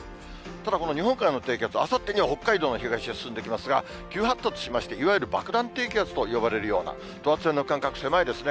ただ、この日本海の低気圧、あさってには北海道の東へ進んできますが、急発達しまして、いわゆる爆弾低気圧と呼ばれるような、等圧線の間隔、狭いですね。